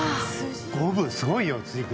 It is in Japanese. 五分すごいよ辻君。